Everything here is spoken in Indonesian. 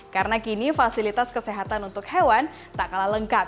karena kini fasilitas kesehatan untuk hewan tak kalah lengkap